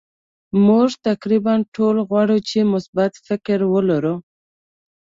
مونږ تقریبا ټول غواړو چې مثبت فکر ولرو.